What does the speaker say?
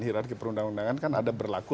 hirarki perundang undangan kan ada berlaku